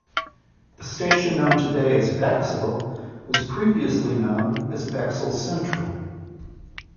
The station known today as Bexhill was previously known as Bexhill Central.